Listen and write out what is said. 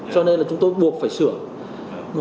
cho nên là chúng tôi buộc phải sửa